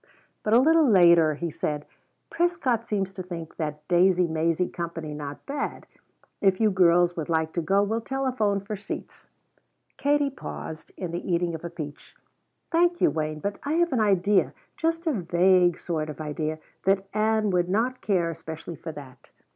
But a little later he said: "Prescott seems to think that Daisey Maisey company not bad. If you girls would like to go we'll telephone for seats." Katie paused in the eating of a peach. "Thank you, Wayne, but I have an idea just a vague sort of idea that Ann would not care especially for that."